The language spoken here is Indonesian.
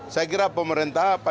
saya kira pemerintah apa